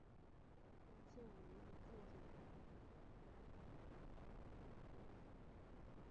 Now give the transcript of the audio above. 本县为一禁酒的县。